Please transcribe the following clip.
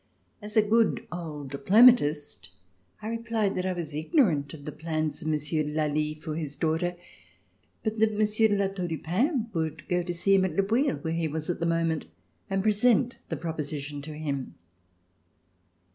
As a good old diplomatist, I replied that I was ignorant of the plans of Monsieur de Lally for his daughter, but that Monsieur de La Tour du Pin would go to see him at Le Bouilh where he was at the moment and present the proposition to him.